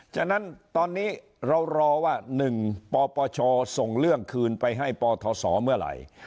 ฉะนั้นตอนนี้เรารอว่า๑ปปชส่งเรื่องคืนไปให้ปทศเมื่อไหร่